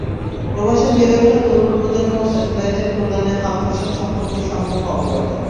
প্রবাসে বেড়ে ওঠা তরুণ প্রজন্ম স্যাটেলাইটের কল্যাণে হাল ফ্যাশন সম্পর্কে সম্যক অবগত।